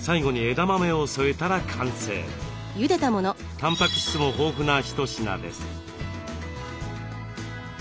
たんぱく質も豊富な一品です。